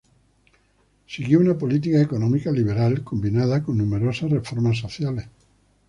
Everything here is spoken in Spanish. Siguió una política económica liberal, combinada con numerosas reformas sociales.